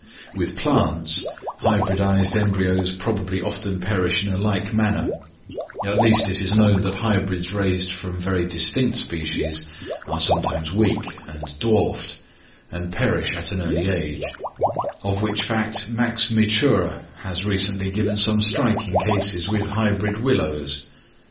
With plants, hybridized embryos probably often perish in a like manner; at least it is known that hybrids raised from very distinct species are sometimes weak and dwarfed, and perish at an early age; of which fact Max Wichura has recently given some striking cases with hybrid willows.